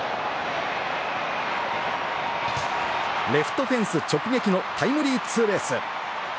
レフトフェンス直撃のタイムリーツーベース。